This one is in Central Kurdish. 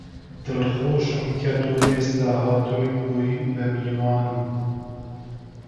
دڵخۆشم کە تۆ ئێستا هاتووی بووی بە میوانم